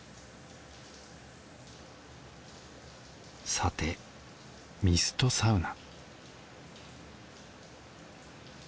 さてミストサウナ